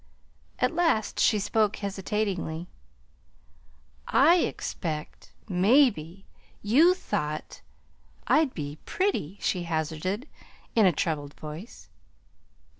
At last she spoke hesitatingly. "I expect maybe you thought I'd be pretty," she hazarded, in a troubled voice.